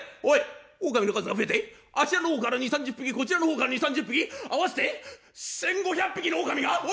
おい狼の数が増えてあちらの方から２０３０匹こちらの方から２０３０匹合わせて１，５００匹の狼が！